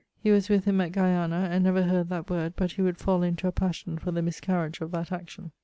He was with him at Guiana, and never heard that word but he would fall into a passion for the miscariage of that action.